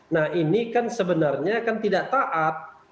nah ini kan sebenarnya kan tidak taat